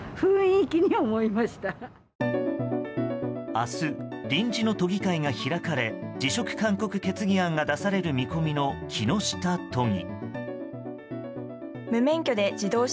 明日、臨時の都議会が開かれ辞職勧告決議案が出される見込みの木下都議。